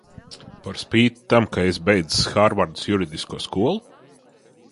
Par spīti tam, ka esi beidzis Hārvardas juridisko skolu?